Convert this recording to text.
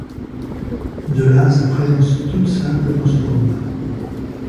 De là sa présence toute simple dans ce combat.